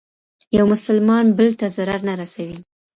يو مسلمان بل ته ضرر نه رسوي.